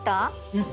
うん。